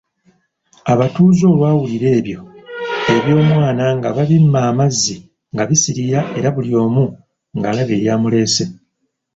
Abatuuze olwawulira ebyo, eby'omwana nga babimma amazzi nga bisiriira era buli omu ng'alaba eryamuleese.